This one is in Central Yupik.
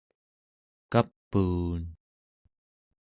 kapuun